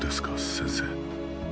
先生。